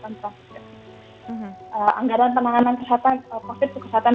belum ke vaksinasi masih banyak hambatan